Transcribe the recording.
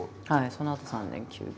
そのあと３年休業。